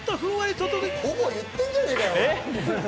ほぼ言ってんじゃねえかよ。